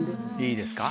いいですか？